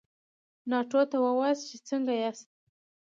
ناټو ته ووایاست چې څنګه ياست؟